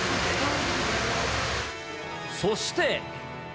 そして。